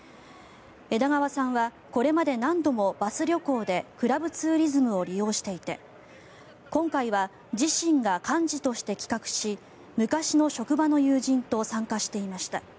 枝川さんはこれまで何度もバス旅行でクラブツーリズムを利用していて今回は自身が幹事として企画し昔の職場の友人と参加していました。